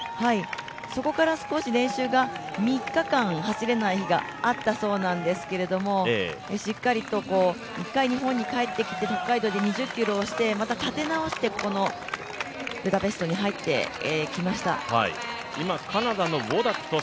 そこから練習が３日間走れない日があったそうなんですけどしっかりと１回日本に帰ってきて、北海道で２０ｋｍをしてまた立て直して、ブダペストに入ってきました。